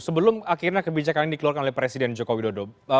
sebelum akhirnya kebijakan ini dikeluarkan oleh presiden joko widodo